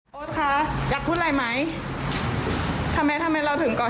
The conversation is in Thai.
ต้องพูดหน่อยพี่